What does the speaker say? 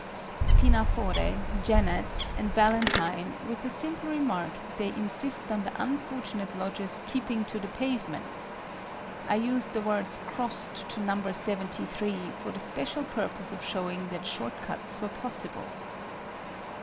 S. PINAFORE, JANET, and VALENTINE with the simple remark that they insist on the unfortunate lodgers keeping to the pavement. (I used the words "crossed to Number Seventy three" for the special purpose of showing that short cuts were possible.)